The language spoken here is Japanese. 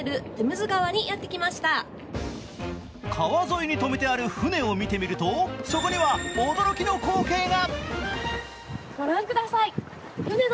川沿いに止めてある船を見てみると、そこには驚きの光景が。